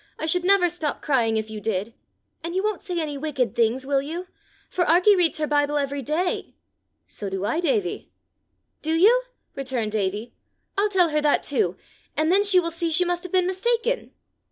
I should never stop crying if you did. And you won't say any wicked things, will you? for Arkie reads her Bible every day." "So do I, Davie." "Do you?" returned Davie, "I'll tell her that too, and then she will see she must have been mistaken."